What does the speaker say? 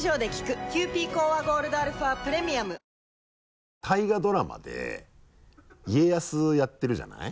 わかるぞ大河ドラマで家康をやってるじゃない。